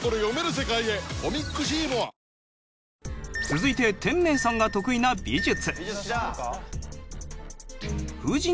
続いて天明さんが得意な美術。